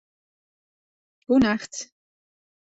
Goenacht